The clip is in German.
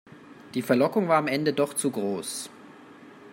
Die Verlockung war am Ende doch zu groß.